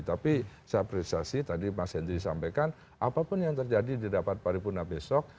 tapi saya apresiasi tadi mas hendri sampaikan apapun yang terjadi di dapat paripuna besok